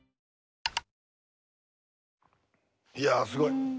いやすごい。